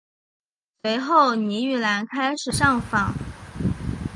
随后倪玉兰开始上访。